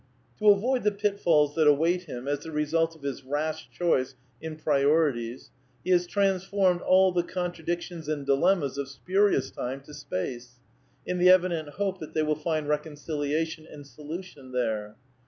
To avoid the pitfalls that await him as the result of his rash choice in priori tieSy he has transferred all the contradictions and dilemmas of spurious time to space, in the evident hope that they will find reconciliation and solution there.